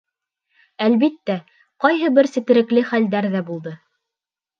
Әлбиттә, ҡайһы бер сетерекле хәлдәр ҙә булды.